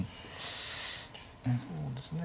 そうですね